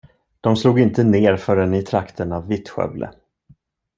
De slog inte ner förrän i trakten av Vittskövle.